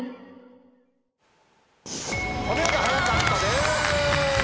お見事早かったです！